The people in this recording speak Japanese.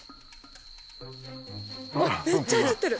めっちゃうつってる！